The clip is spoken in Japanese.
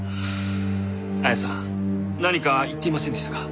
亜矢さん何か言っていませんでしたか？